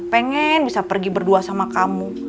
pengen bisa pergi berdua sama kamu